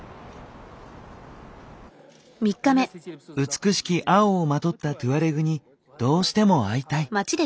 美しき青を纏ったトゥアレグにどうしても会いたい。